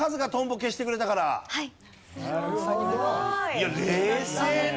いや冷静ね！